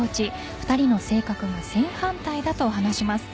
２人の性格も正反対だと話します。